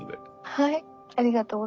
はい。